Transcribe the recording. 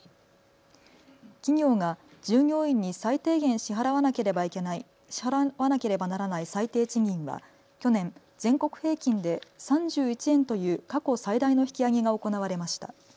企業が従業員に最低限支払わなければならない最低賃金は去年、全国平均で３１円という過去最大の引き上げが行われました。